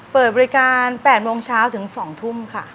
เปิดบริการ๘โมงเช้าถึง๒ทุ่มค่ะ